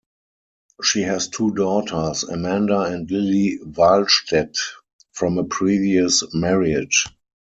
She has two daughters, Amanda and Lili Wahlstedt, from a previous marriage.